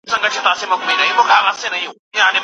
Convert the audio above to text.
د طبيعي او ټولنيزو علومو ترمنځ توپير شته.